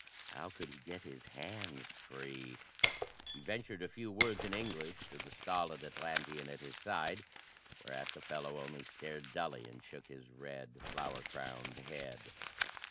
How could he get his hands free? He ventured a few words in English to the stolid Atlantean at his side, whereat the fellow only stared dully and shook his red, flower crowned head.